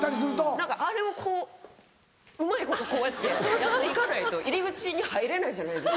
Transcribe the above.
何かあれをこううまいことこうやってやって行かないと入り口に入れないじゃないです